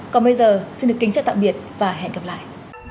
còn bây giờ xin được kính chào tạm biệt và hẹn gặp lại